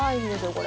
これ。